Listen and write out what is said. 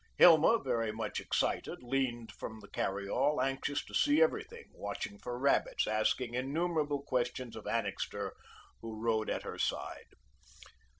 Hilma, very much excited, leaned from the carry all, anxious to see everything, watching for rabbits, asking innumerable questions of Annixter, who rode at her side.